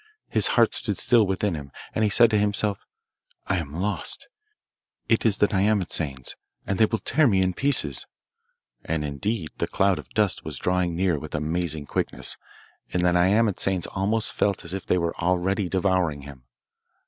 His heart stood still within him, and he said to himself, 'I am lost. It is the nyamatsanes, and they will tear me in pieces,' and indeed the cloud of dust was drawing near with amazing quickness, and the nyamatsanes almost felt as if they were already devouring him.